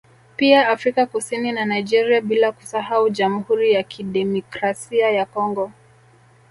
Pia Afrika Kusini na Nigeria bila kusahau Jamhuri ya Kidemikrasia ya Congo